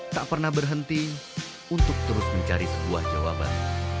tak pernah berhenti untuk terus mencari sebuah jawaban